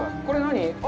これ何？